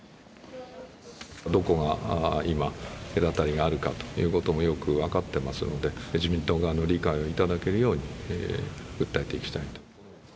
どこが今、隔たりがあるかということもよく分かっていますので、自民党側の理解をいただけるように訴えていきたいと。